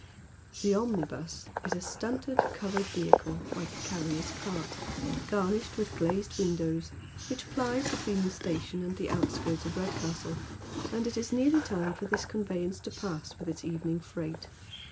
The omnibus is a stunted covered vehicle, hke a carrier's cart, garnished with glazed windows, which plies between the station and the outskirts of Redcastle, and it is nearly time for this con veyance to pass with its evening fieight.